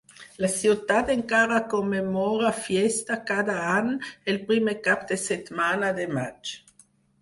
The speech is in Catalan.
La ciutat encara commemora Fiesta cada any el primer cap de setmana de maig.